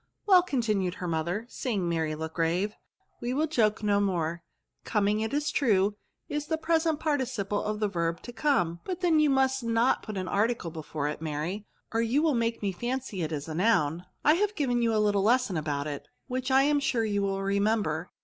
" Well," continued her mother, seeing Mary look grave, '^ we will joke no more* Coming, it is true, is the present participle of the verb to come ; but then you must not put an article before it, Mary, or you will VERBS. S35 make Die fancy it is a noun. I have given you a little lesson about it, whith I am sure you will remember.